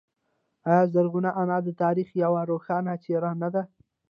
آیا زرغونه انا د تاریخ یوه روښانه څیره نه ده؟